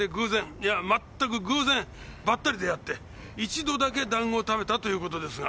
いやまったく偶然ばったり出会って一度だけ団子を食べたということですが。